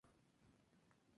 Nacida en Qazvin, Irán.